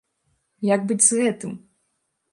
Як быць з гэтым?